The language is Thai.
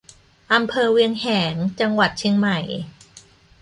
อำเภอเวียงแหง จังหวัดเชียงใหม่